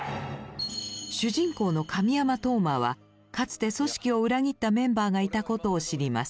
主人公の神山飛羽真はかつて組織を裏切ったメンバーがいたことを知ります。